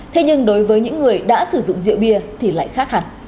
thế nhưng đối với những người đã sử dụng rượu bia thì lại khác hẳn